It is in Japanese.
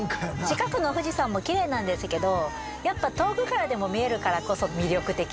近くの富士山もきれいなんですけどやっぱ遠くからでも見えるからこそ魅力的。